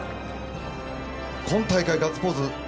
今大会ガッツポーズ